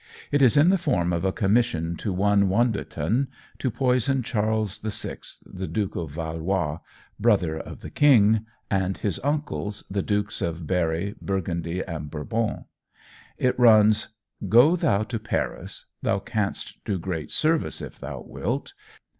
It is in the form of a commission to one Wondreton to poison Charles VI, the Duke of Valois, brother of the King, and his uncles, the Dukes of Berri, Burgundy, and Bourbon. It runs: "Go thou to Paris; thou canst do great service if thou wilt.